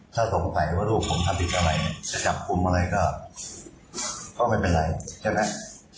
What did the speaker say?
ถ้าสงสัยว่าลูกผมทำผิดอะไรจะจับกลุ่มอะไรก็ไม่เป็นไรใช่ไหม